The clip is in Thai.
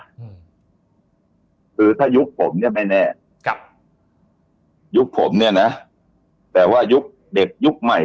อืมคือถ้ายุคผมเนี้ยไม่แน่ครับยุคผมเนี้ยนะแต่ว่ายุคเด็กยุคใหม่